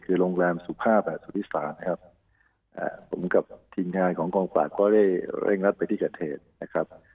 คือโรงแรมสุภาพสุธิศาสตร์นะครับผมกับทีมงานของกองปราบก็ได้เร่งรัดไปที่เกิดเหตุนะครับ